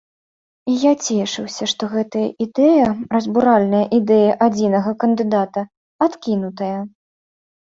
І я цешуся, што гэтая ідэя, разбуральная ідэя адзінага кандыдата, адкінутая.